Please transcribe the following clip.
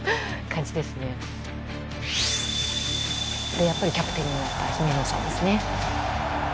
でやっぱりキャプテンになった姫野さんですね。